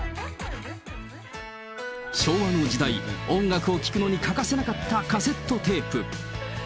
昭和の時代、音楽を聴くのに欠かせなかったカセットテープ。